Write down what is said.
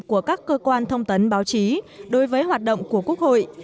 của các cơ quan thông tấn báo chí đối với hoạt động của quốc hội